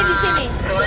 kamu jelaskan itu